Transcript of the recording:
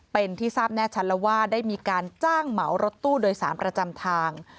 เป็นที่ทราบแน่ชัดแล้วว่าได้มีการจ้างเหมารถตู้โดยสารประจำทาง